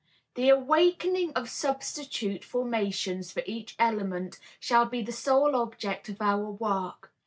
The awakening of substitute formations for each element shall be the sole object of our work.